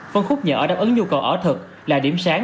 phân khúc nhỏ đáp ứng nhu cầu ở thực là điểm sáng